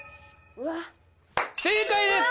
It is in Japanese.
正解です。